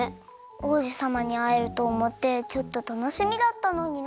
王子さまにあえるとおもってちょっとたのしみだったのにな。